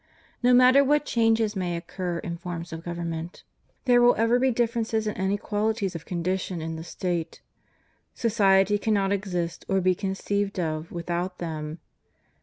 No matter what changes may occur in forms of government, there will ever be differences and inequalities of condition in the State. Society cannot exist or be conceived of without them.